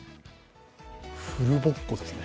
フルボッコですね。